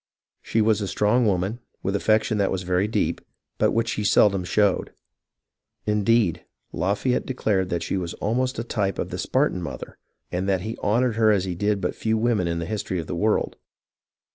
She was a strong woman, with affection that was very deep, but which she seldom showed. Indeed, Lafayette declared that she was almost a type of the Spartan mother, and that he honoured her as he did but few women in the history of the world.